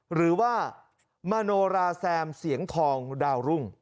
หรือว่ามโนราแซมเสียงทองดาวรุ่ง